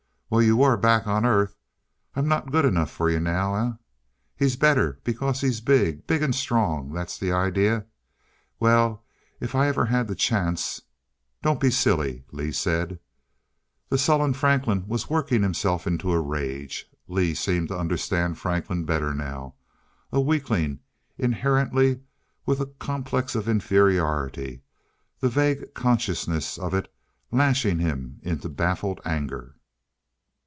Well you were, back on Earth. I'm not good enough for you now, eh? He's better because he's big big and strong that the idea? Well if I ever had the chance " "Don't be silly," Lee said. The sullen Franklin was working himself into a rage. Lee seemed to understand Franklin better now. A weakling. Inherently, with a complex of inferiority, the vague consciousness of it lashing him into baffled anger.